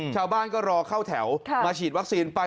ชาวบ้านก็รอเข้าแถวมาฉีดวัคซีนไป